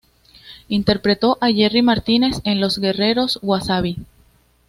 Interpretó a Jerry Martínez en "Los Guerreros Wasabi".